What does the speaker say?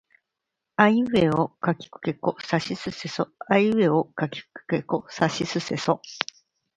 あいうえおかきくけこさしすせそあいうえおかきくけこさしすせそ